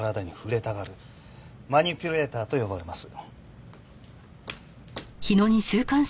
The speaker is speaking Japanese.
マニピュレーターと呼ばれます。